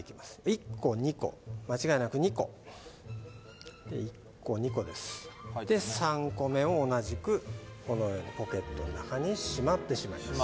１個２個間違いなく２個１個２個ですで３個目を同じくこのようにポケットの中にしまってしまいます